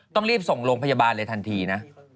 ต้องรีบส่งโรงพยาบาลเลยทันทีนะ